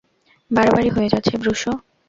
বাড়াবাড়ি হয়ে যাচ্ছে, ব্রুস।